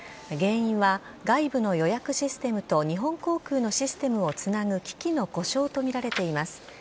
原因は外部の予約システムと、日本航空のシステムをつなぐ機器の故障と見られています。